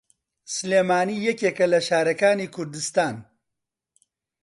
سلێمانی یەکێکە لە شارەکانی کوردستان.